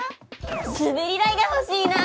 滑り台が欲しいな。